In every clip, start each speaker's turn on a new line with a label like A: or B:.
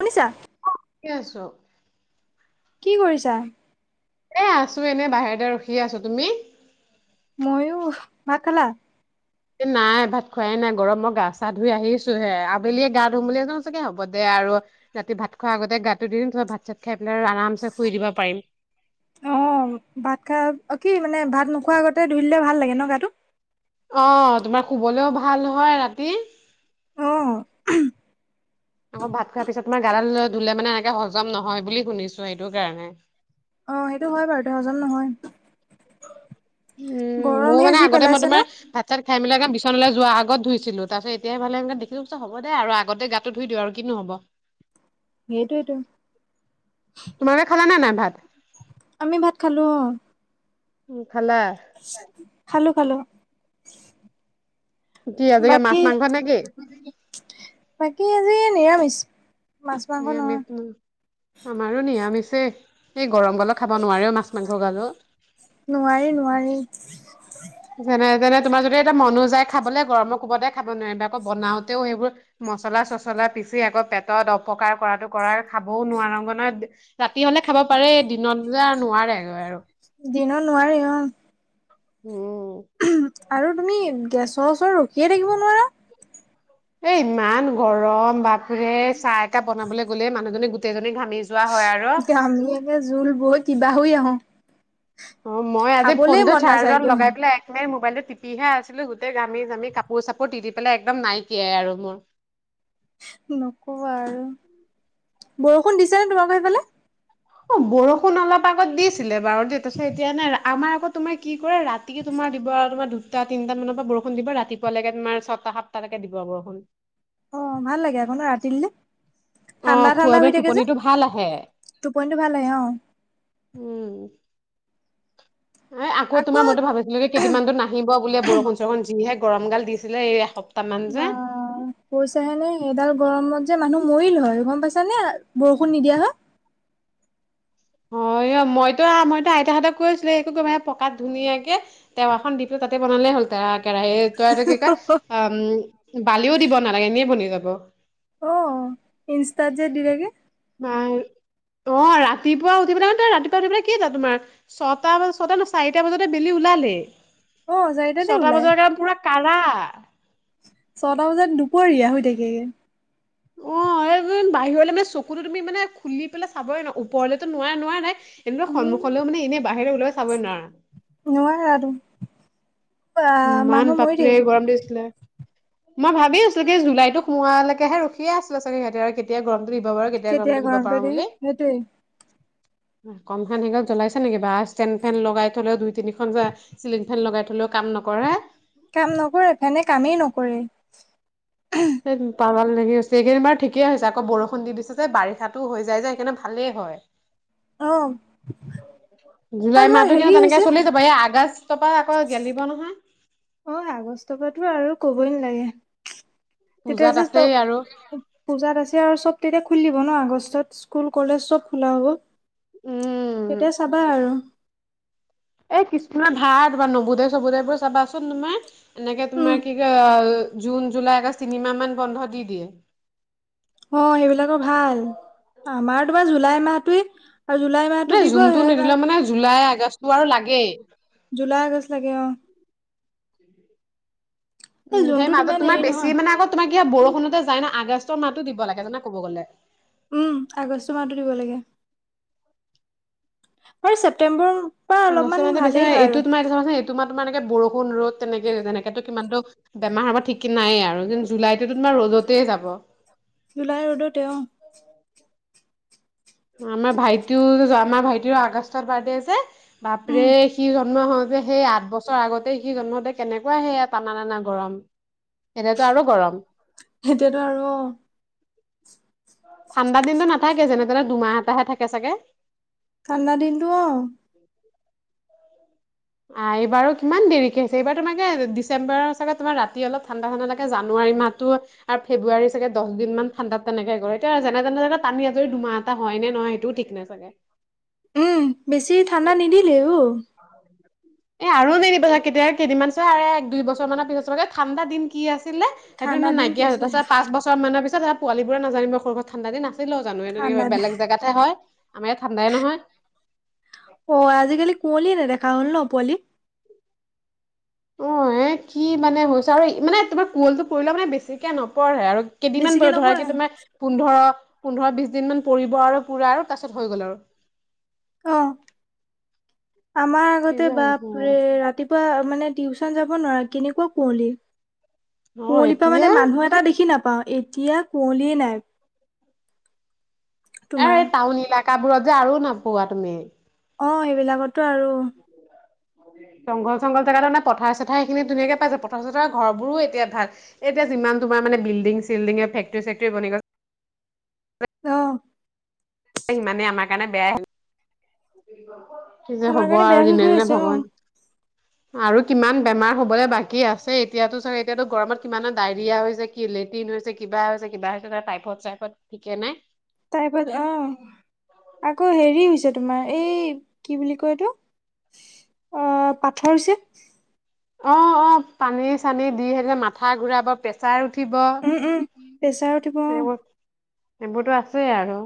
A: শুনিছা
B: শুনি আছো
A: কি কৰিছা?
B: এ আছো এনে বাহিৰতে ৰখি আছো তুমি
A: মইও, ভাত খালা?
B: এ নাই ভাত খোৱাই নাই গৰম মই গা চা ধুই আহিছোহে আবেলিয়ে গা ধুম বুলি যাওঁ চাগে হ'ব দে আৰু ৰাতি ভাত খোৱাৰ আগতে গাটো ধুই দিম তাপা ভাত চাত খাই পেলাই আৰু আৰামচে শুই দিব পাৰিম
A: অ ভাত খা কি মানে ভাত নোখোৱা আগতে ধুই দিলে ভাল লাগে ন গাটো
B: অ তোমাৰ শুবলৈও ভাল হয় ৰাতি
A: অ
B: আকৌ ভাত খোৱাৰ পিছত তোমাৰ গাডাল ধুলে মানে এনেকে হজম নহয় বুলি শুনিছো এইটো কাৰণে
A: অ সেইটো হয় বাৰু দে হজম নহয়
B: উম মোৰ
A: গৰমহে
B: মানে
A: যি
B: আগতে মই
A: পেলাইছে ন
B: তোমাৰ ভাত চাত খাই মেলাই এ বিচনালে যোৱা আগত ধুইছিলো তাৰপিছত এতিয়া ভালে দেখিলো পিছে হ'ব দে আৰু আগতে গা তো ধুই দিওঁ আৰু কিনো হ'ব
A: সেইতোৱেটো
B: তোমালোকে খালা নে নাই ভাত
A: আমি ভাত খালো অ
B: উম খালা
A: খালো খালো
B: কি আজিকালি মাছ
A: বাকী
B: মাংস নে কি
A: বাকী আজি নিৰামিষ মাছ মাংস
B: নিয়ামিষ
A: নহয়
B: উম আমাৰো নিয়ামিছে এই গৰম গালত খাব নোৱাৰেও মাছ মাংস গাজ
A: নোৱাৰি নোৱাৰি
B: যেনে তেনে তোমাৰ যদি এটা মনো যায় খাবলে গৰমৰ কোবতে খাব নোৱাৰিবা আকৌ বনাওঁতেও সেইবোৰ মচলা চছলা পিচি আকৌ পেটত অপকাৰ কৰাটো কৰা খাবও নোৱাৰো নহয় ৰাতি হলে খাব পাৰে দিনত যে নোৱাৰে আৰু
A: দিনত নোৱাৰি অ
B: উম
A: আৰু তুমি গেছৰ ওচৰত ৰখিয়ে থাকিব নোৱাৰা
B: এ ইমান গৰম বাপৰে চাহ একাহ বনাবলৈ গ'লে মানুহজনী গোটেইজনী ঘামি যোৱা হয় আৰু
A: ঘামি একে জোল বৈ কিবা হৈ আহো
B: অ মই আজি
A: খাবলে
B: ফোনটো
A: মন
B: চাৰ্জত
A: নাযায়গৈ
B: লগাই পেলাই মবাইলটো টিপিহে আছিলো গোটেই গামি জামি কাপোৰ চাপোৰ তিতি পেলাই একদম নাইকিয়াই আৰু মোৰ
A: নকবা আৰু বৰষুণ দিছে নে তোমাৰলোকৰ সেইফালে
B: অ বৰষুণ অলপ আগত দিছিলে বাৰু দেই তাৰপিছত এতিয়া নাই আমাৰ আক তোমাৰ কি কৰে ৰাতিকে তোমাৰ দিব আৰু তোমাৰ দুটা তিনটা মানৰ পৰা বৰষুণ দিব ৰাতিপুৱালৈকে তোমাৰ ছটা সাতটালৈকে দিব বৰষুণ
A: অ ভাল লাগে আক ৰাতি দিলে
B: অ
A: ঠাণ্ডা
B: খোৱা
A: ঠাণ্ডা হৈ
B: মানে
A: থাকে যে
B: টোপনিটো ভাল আহে।
A: টোপনিটো ভাল হয় অ
B: উম এ আকৌ তোমাৰ মতে ভাবিছো আজি কেইদিন মান নাহিব বুলিয়ে বৰষুণ চৰষুণ যিহে গৰম গাল দিছিলে এই এসপ্তাহ মান
A: বা
B: যে
A: কৈছাহে নে এডাল গৰমত যে মানুহ মৰিল হয় গম পাইছা নে বৰষুণ নিদিয়া হয়
B: অ অ মইতো মইতো আইতাহঁতে কৈ আছিলে শুৱে পকাত ধুনীয়াকে টাৱা খন দি দিলো তাতে বনালে হ'ল টাৱা কেৰাহীত ত এইটো কি কয় অ বালিও দিব নালাগে এনেই বনি যাব
A: অ ইনষ্টাত যে দিলেগে
B: মাই অ ৰাতিপুৱা উঠি পেলাই ন ৰাতিপুৱা উঠি পেলাই কি টেটো তোমাৰ ছটা ছটা নহয় চাৰিটা বজাতে বেলি
A: অ
B: ওলালেই
A: চাৰিটাতে
B: ছটা
A: ওলাই
B: বজাৰে পুৰা। কাৰা
A: ছটা বজাত দুপৰীয়া হৈ থাকে।
B: অ এই বাহিৰলৈ মানে চকুতো তুমি মানে খুলি পেলাই চাবই নোৱাৰি ওপৰলেতো নোৱাৰা নোৱাৰা নাই। এনেকুৱা
A: উম
B: সন্মুখলৈও মানে এনে বাহিৰে ওলাই চাবই নোৱাৰা।
A: নোৱাৰে আৰু
B: ইমান বাপৰি গৰম দিছিলে মই ভাবি আছো কি জুলাইতো সোমোৱালৈকেহে ৰখিয়ে আছিলে ছাগে সিহঁতে আৰু কেতিয়া গৰম দিব পাৰো কেতিয়া গৰমটো দিব পাৰো বুলি। কম খন জ্বলাইছে নেকি বা ষ্টেণ্ড ফেন লগাই থলেও দুই তিনিখন চিলিং ফেন লগাই থলেও কাম নকৰে
A: কাম নকৰে ফেনে কামেই নকৰে।
B: [unintelligible] লাগি হৈছে এইকেদিন ঠিকেই হৈছে আকৌ বৰষুণ দি দিছে যে বাৰিষাতো হৈ যায় যে সেইকাৰণে ভালেই হয়।
A: অ আৰু
B: জুলাই
A: তোমাৰ
B: মাহটো
A: হেৰি
B: কিন্তু তেনেকে
A: হৈছে
B: চলি যাব এই আগষ্ট তাৰপৰা, আকৌ গেলিব নহয়।
A: অ'! আগষ্ট পৰাতো আৰু ক'বই নালাগে! তেতিয়া
B: পূজাত
A: যে
B: আছেই আৰু
A: পূজাত আছে আৰু। চব তেতিয়া খুলিব ন' আগষ্টত, স্কুল-কলেজ চব খোলা হ'ব।
B: উম
A: তেতিয়া চাবা আৰু।
B: এ, কিছুমানৰ [unintelligible] তোমাৰ নৱোদয়-চৱোদয় বোৰ চাবাচোন, তোমাৰ! এনেকে,
A: উম
B: তোমাৰ কি কয়, জুন-জুলাই, আগষ্ট তিনিমাহ মান বন্ধ দি দিয়ে।
A: অ'! সেইবিলাকৰ ভাল! আমাৰ তোমাৰ জুলাই মাহটোৱে আৰু জুলাই মাহতো দিব, সেই [unintelligible]
B: জুলাই-আগষ্টটো আৰু লাগেই।
A: জুলাই-আগষ্ট লাগে, অ'! এই
B: উম! সেই
A: জুনটোত
B: মাহত
A: ইমান
B: তোমাৰ,
A: হেৰি নহয়
B: বেছি মানে, আকৌ তোমাৰ কি হয়, বৰষুণতে যায় ন'! আগষ্টৰ মাহতো দিব লাগে, জানা ক'ব গ'লে।
A: উম! আগষ্ট মাহতো দিব লাগে। আৰু ছেপটেম্বৰ পৰা
B: আগষ্ট
A: অলপমান
B: মানে, বেছি
A: ভালেই
B: হয়! এইটো তোমাৰ, এইটো চাবাচোন? তোমাৰ এনেকে, বৰষুণ-ৰ'দ তেনেকে, যেনেকেটো কিমানটো বেমাৰ হ'ব ঠিকেই নাই আৰু। জুন- জুলাইটো তোমাৰ ৰ'দতেই যাব।
A: জুলাই ৰ'দতে, অ'!
B: আমাৰ ভাইটিও, আমাৰ ভাইটিৰো আগষ্টত বাৰ্থডে আছে, বাপৰে!
A: উম
B: সি জন্ম হওঁতে সেই আঠ বছৰ আগতেই, সি জন্মতে, কেনেকুৱা সেয়া, টানা-টানা গৰম। এতিয়াতো আৰু গৰম!
A: সেইটোৱেতো আৰু!
B: ঠাণ্ডা দিনটো নাথাকে, যেনেতেনে দুমাহ এটাহে থাকে ছাগে!
A: ঠাণ্ডা দিনটো, অ'!
B: আঁ এইবাৰো কিমান দেৰিকে হৈছে, এইবাৰ তোমাৰ কি, ডিচেম্বৰ ওচৰতে, তোমাৰ ৰাতি অলপ, ঠাণ্ডা-ঠাণ্ডা লাগে। জানুৱাৰী মাহতো। আৰু ফেব্ৰুৱাৰী ছাগে, দহদিন মান ঠাণ্ডাত তেনেকে কৰে, এতিয়া যেনে-তেনে, টানি-আজৰি দুমাহ এটা হয় নে নহয়, সেইটো ঠিক নাই চাগে!
A: উম বেছি ঠাণ্ডা নিদিলে, অ'!
B: এ, আৰু [unintelligible] কেতিয়া কেইদিনমান। তাৰে এক, দুই বছৰ মানৰ পিছত, চবতে ঠাণ্ডা দিন কি আছিলে,
A: ঠাণ্ডা
B: সেইটো
A: দিন কি
B: নাইকিয়া হয়। তাৰ
A: আছিলে
B: পিছত, পাঁচবছৰ পাঁচবছৰ মানৰ পিছত, পোৱালিবোৰে নাজানিব, সৰু ঠাণ্ডা দিন আছিল অ'! জানুৱাৰীত।
A: ঠাণ্ডা
B: তেনেকে
A: দিন
B: বেলেগ জাগাত। হয়! আমাৰ ইয়াত ঠাণ্ডাই নহয়।
A: অ'! আজিকালি কুঁৱলিয়ে, নেদেখা হ'ল ন' কুঁৱলি।
B: অ'! এ, কি মানে হৈছে! আৰু মানে, তোমাৰ কুঁৱলি টো পৰিলেও মানে, বেছিকে নপৰেই আৰু কেইদিনমান
A: বেছিকে
B: পৰি, ধৰা
A: নপৰে
B: এতিয়া তোমাৰ, পোন্ধৰ- পোন্ধৰ, বিশ দিন মান পৰিব আৰু পূৰা আৰু তাৰ পিছত, হৈ গ'ল আৰু।
A: অ'! আমাৰ
B: কি
A: আগতে
B: যে
A: বাপৰে!
B: হৈছে
A: ৰাতি পুৱা মানে, টিউচন যাব নোৱাৰোঁ, কেনেকুৱা কুঁৱলি!
B: অ
A: কুঁৱলিৰ পৰা
B: এতিয়া
A: মানে, মানুহ এটা দেখি নাপাওঁ। এতিয়া, কুঁৱলিয়ে নাই। তোমাৰ
B: এই, টাউন এলেকাাবোৰত যে আৰু নোপোৱা তুমি।
A: অ'! সেইবিলাকতো আৰু।
B: জংঘল-চংঘল জেগাটো মান, পথাৰ-চথাৰ এইখিনি ধুনীয়াকে পাই যায়! পথাৰ- চথাৰৰ ঘৰ বোৰো এতিয়া ভাল। এতিয়া যিমান তোমাৰ মানে, বিল্ডিং-চিল্ডিঙে, ফেক্টৰি-চেক্টৰি বনি গ
A: অ'!
B: এ, সিমানে আমাক সেইকাৰণে বেয়াই! কি যে
A: আমাৰ
B: হ'ব
A: কাৰণে বেয়া
B: আৰু
A: হৈ গৈ
B: দিনে-দিনে
A: আছে অ
B: ভগৱান আৰু কিমান বেমাৰ হ'বলৈ বাকী আছে, এতিয়াতো চাগে, এতিয়াতো গৰমত কিমান ডায়েৰিয়া হৈ যায়! কি লেটিন হৈছে, কিবা হৈছে, কিবা হৈছে, টাইফয়েড-চাইফয়েত ঠিকে নাই!
A: তায়েপাছ অঁ আকৌ হেৰি হৈছে। তোমাৰ এই কি বুলি কয় এইটো অঁ পাথৰ হৈছে।
B: অঁ অঁ পানী চানী দি সেযে মাথা ঘুৰাব পেষ্ট- চাৰ উঠিব
A: উম উম প্ৰেছাৰ উঠিব অ
B: সেইবোৰ সেইবোৰতো আছে আৰু।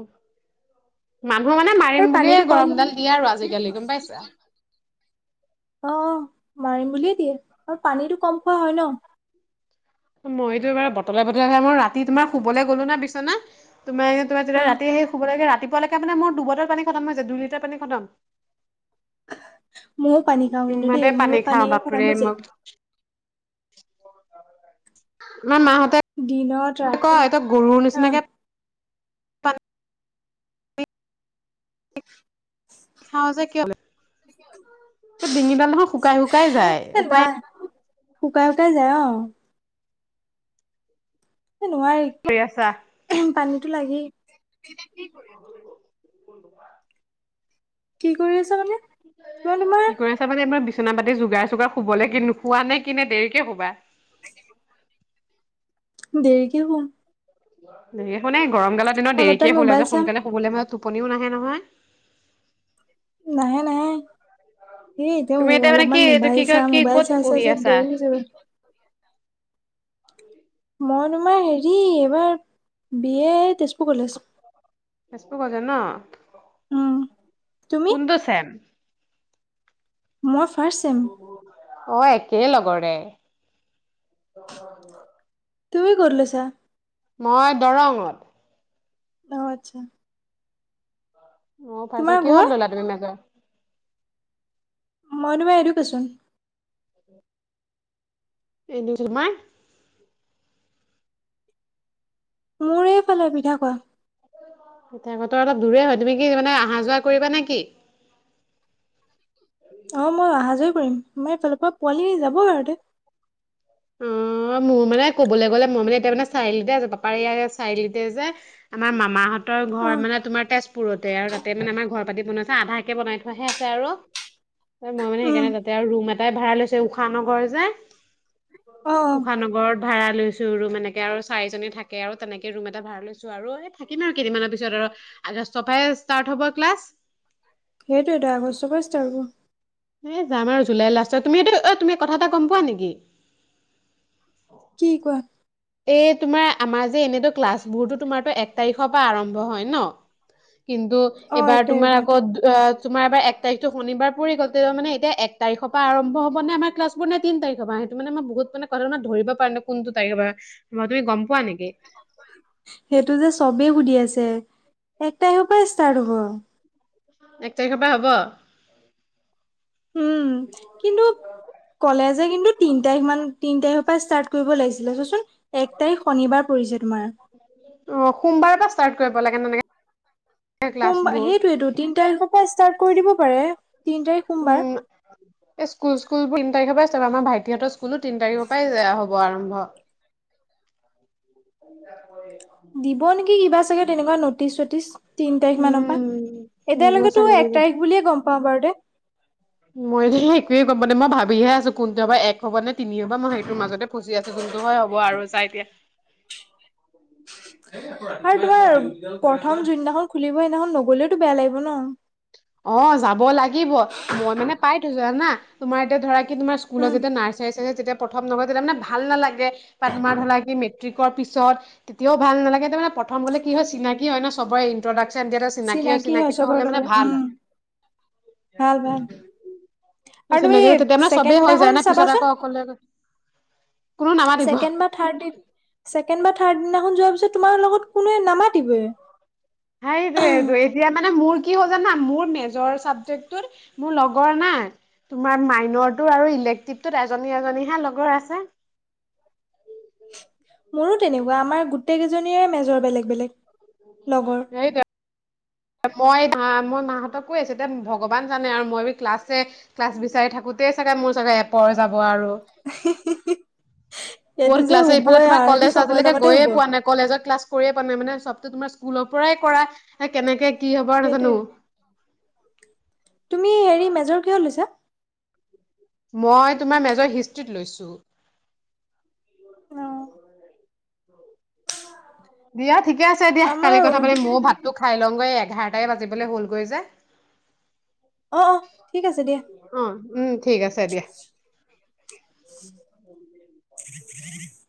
B: মানুহ মানে
A: আৰু
B: মাৰিম বুলিয়ে
A: পানীটো কম
B: গৰমডাল দিয়ে আৰু আজিকালি গম পাইছ।
A: অঁ মাৰিম বুলিয়ে দিয়ে আৰু পানীটো কম খোৱা হয় ন।
B: মইতো এবাৰ বতলে বতলে থাক মই ৰাতি তোমাৰ শুবলৈ গ'লো না বিছনা তোমাৰ তোমাৰ যেতিয়া
A: অ
B: ৰাতি আহি শুব লাগে ৰাতিপুৱালেকে মানে মোৰ দুবটল পানী খতম হৈ যায় দুই লিটাৰ পানী খটম।
A: ময়ো পানী খাওঁ কিন্তু দেই
B: ইমানে
A: মোৰো
B: পানী খাওঁ
A: খতম
B: বাপৰে
A: হৈ যায়
B: মক সিমান মাহঁতে
A: ডিনত
B: ক আইতক গৰুৰ নিচিনাকে পান-
A: [unintelligible]
B: খাঁও যে কিয় সে ডিঙিডাল নহয় শুকাই শুকাই যায়
A: এ
B: উপায়
A: নাই শুকাই শুকাই যায় অঁ। এ নোৱায়ি।
B: শুই আছা।
A: পানীতো লাগেই।
B: [unintelligible]
A: কি কৰি আছা মানে? মই তোমাৰ
B: কি কৰিছ। ত মানে এবাৰ বিছনা পাতি যোগাৰ চোগাৰ শুবলে কিনো শুৱা নাই কিনে দেৰিকে হুবা
A: দেৰিকে হুম।
B: একো নাই গৰম কালত দিনত
A: অলপ টাইম
B: দেৰিকে হ'ল আ
A: মোবাইল
B: যে
A: চাম
B: সোনকালে শুলে মানে টোপনিও নাহে নহয়।
A: নাহে নাহে। এই এতিয়াও
B: তুমি এতিয়া মানে
A: অলপমান
B: কি এইটো
A: মোবাইল
B: কি কয়
A: চাম
B: কি
A: মোবাইল
B: ক'ত
A: চাহ চাই
B: পঢ়ি
A: চ
B: আছা
A: দেৰি হৈ যাব। মই তোমাৰ হেৰি এইবাৰ B A Tezpur college.
B: Tezpur college ন।
A: উম তুমি
B: কুন্দু চেম।
A: মই ফাৰ্ষ্ট চেম।
B: অ একেই লগৰে। [unintelligible]
A: তুমি কত লৈছা?
B: মই দৰঙত।
A: অঁ আৎচ্ছা।
B: অঁ পাইছা
A: তোমাৰ
B: কিহত
A: ঘৰ
B: ল'লা তুমি মেজৰ?
A: মইনো মাই ইডডোকেচোন।
B: এনো কোমাই
A: মোৰেফালে পিঠা কোৱা।
B: পিঠা কোৱা অলপ দূৰেই হয় তুমি কি মানে অহা যোৱা কৰিবা নে কি?
A: অঁ মই অহা যোৱাই কৰিম মাৰ এইফালৰ পৰা পোৱালি যাব আৰু দে।
B: উম মোৰ মানে ক'বলৈ গ'লে মই মানে এতিয়া মানে চাৰিআলিতে আছো পাপা ই চাৰিলিতে যে। আমাৰ মামাহত- তৰ
A: অ
B: ঘৰ মানে তোমাৰ তেজপুৰতে আৰু তাতে মানে আমাৰ ঘৰ পাতি বনাই আছে আধাকে বনাই থোৱাহে আছে আৰু। ত মই মানে
A: উম
B: সেইকাৰণে তাতে আৰু ৰুম এটাই ভাড়া লৈছো উশা নগৰ যে।
A: অ অ
B: উশানগৰত। ভাড়া লৈছো ৰুম এনেক আৰু চাৰিজনী থাকে আৰু তেনেকে ৰুম এটা ভড়া লৈছো আৰু এই থাকিম আৰু কেইদিনমানৰ পিছত আৰু। আজি ছয়টাই ষ্টাৰ্ট হব ক্লাছ।
A: সেইটোৱ এটা আগষ্টৰ পৰাই ষ্টাৰ্ট হ'ব।
B: এ যাম আৰু জুলাই লাষ্টত তুমিটো এ তুমি কথা এটা গম পোৱা নেকি?
A: কি কোৱা?
B: এই তোমাৰ আমাৰ যে এনেতো ক্লাছ বোৰতো তোমাৰো এক তাৰিখৰ পৰা আৰম্ভ হয় ন। কিন্তু,
A: অ এক
B: এইবাৰ
A: তাৰিখৰ
B: তোমাৰ
A: পৰা
B: আকৌ- তোমাৰ এাৰ এক তাৰিখটো শনিবাৰ পৰি গল তে মানে এতিয়া এক তাৰিখৰ পৰা আৰম্ভ হব নে আমাৰ ক্লাছ- দুই নে তিন তাৰিখ হব সেইটো মে মই বহুত মানে কৰোনা ধৰিব পৰা নাই কোনটো তাৰিখ পৰা তুমি গম পোৱা নেকি?
A: সেইটো যে চবেই সুধি আছে এক তাৰিখৰ পৰাই ষ্টাৰ্ট হ'ব।
B: এক তাৰিখৰ পৰা হ'ব।
A: উম, কিন্তু- কলেজে কিন্তু তিন তাৰিখ মান তিন তাৰিখৰ পৰা ষ্টাৰ্ট কৰিব লাগিছিলে চোৱাচোন। এক তাৰিখ শনিবাৰ পৰিছে তোমাৰ।
B: অ সোমবাৰৰ পৰা ষ্টাৰ্ট কৰিব লাগে তেনেকে।
A: সোম
B: ক্লাছবোৰ
A: সেইটোয়টো তিন তাৰিখৰ পৰা ষ্টাৰ্ট কৰি দিব পাৰে। তিন তাৰিখ সোমবাৰ
B: উম এই স্কুল স্কুলোৰ তিন তাৰিখৰ পৰা ষ্টাৰ্ট হব আমাৰ ভাইটিহঁতৰ- স্কুলো তিনি তাৰিখৰ পৰাইয়া হ'ব আৰম্ভ। [unintelligible]
A: দিব নেকি কিবা চাগে তেনেকুৱা ন'টিচ চটিচ। তিন তাৰিখ মানৰ পৰা,
B: উম দিব
A: এতিয়ালৈকেতো
B: চাগে
A: এক
B: দিব
A: তাৰিখ বুলিয়ে গম পাও বাৰু দে।
B: মই যে একোৱে গমা নাপাওঁ মই ভাবিহে আছো কোনটো হবা এক হব নে- তিনি হ'ব মই সেইটো মাজতে ফুচি আছো যোনটো হয় হব আৰু চাই এতিয়া- [unintelligible]
A: আৰু তোমাৰ প্ৰথম যোনদিনাখন খুলিব সেইদিনাখন নগলেওতো বেয়া লাগিব ন।
B: অ যাব লাগিব, মই মানে পাই থৈছো জানা। তোমাৰ এতিয়া ধৰা কি তোমাৰ স্কুলত
A: উম
B: যেতি নাৰ চাই আছে যেতিয়া- প্ৰথম নগৈ তেতিয়া মানে ভাল নালাগে, বা তোমাৰ ধৰা মেট্ৰিকৰ পিছত তেতিয়াও ভাল নালাগে তাৰ মানে- প্ৰথম বোলে কি হয় চিনাকি হয় ন চবৰে ইণ্ট্ৰডাকশচন দিয়া এটা চিনাকি হয় চিনাকিটো
A: চবৰ
B: হ'লে মানে
A: লগতে
B: ভাল
A: উম
B: হয়।
A: ভাল ভাল। আৰু তুমি
B: চিনাকি তেতিয়া মানে চবেই
A: চেকেণ্ড
B: হৈ যায়
A: দিনাখন
B: না
A: চাবা
B: পিছত
A: চোন,
B: আকৌ অকলে কোনো নামাতিব
A: চেকেণ্ড বা- থাৰ্ড দিন, ছেকেণ্ড বা থাৰ্ড দিনাখন যোৱাৰ পিছত তোমাৰ লগত কোনোৱে নামাতিবৈ।
B: হাই জুইয়া জুইত। এয়া মানে মোৰ কি হ'ল জানা মোৰ মেজৰ চাবজেক্টত মোৰ লগৰ নাই। তোমাৰ মাইনৰটো আৰু ইলেক্টিভ টোত এজনী এজনীহে লগৰ আছে।
A: মোৰো তেনেকুৱা আমাৰ গোটেইকেইজনীৰে মেজৰ বেলেগ বেলেগ। লগৰ
B: [unintelligible] মই মই মাহঁতক কৈ আহিছো দেন ভগৱান জানে আৰু মই ভী ক্লাছ হে। ক্লাছ বিচাৰি থাকোতেই চাগে মোৰ চাগে এপহৰ যাব আৰু।
A: [unintelligible] এইটো
B: ক'ত
A: যে
B: ক্লাছ হয় ইফালে
A: হ'বই
B: তোমাৰ
A: আৰু সেইটো
B: কলেজ
A: চবৰে
B: আজিলৈকে
A: লগতে
B: গৈয়ে
A: হ'ব
B: পোৱা নাই। কলেজত ক্লাছ কৰিয়ে পোৱা নাই মানে চবটো তোমাৰ স্কুলৰ পৰাই কৰা, কেনেকে? কি হ'ব নাজানো
A: সেইটোৱে, তুমি হেৰি মেজৰ কিহৰ লৈছা?
B: মই তোমাৰ মেজৰ হিষ্ট্ৰিত লৈছোঁ।
A: অ'
B: দিয়া ঠিকে আছে দিয়া। কালি
A: আমাৰ
B: কথা পাতিম দিয়া।
A: অ'
B: ময়ো ভাত, খাই লওঁগৈ এঘাৰটাই বাজিবলৈ হ'লগৈ যে।
A: অ' ঠিক আছে দিয়া।
B: অ' উম ঠিক আছে দিয়া।
A: [unintelligible]